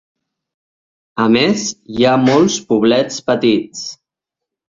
A més, hi ha molts poblets petits.